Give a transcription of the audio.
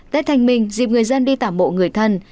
tết thanh minh dịp người dân đi tả mộ người thân